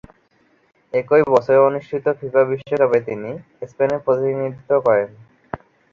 একই বছরে অনুষ্ঠিত ফিফা বিশ্বকাপে তিনি স্পেনের প্রতিনিধিত্ব করেন।